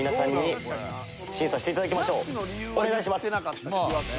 お願いします。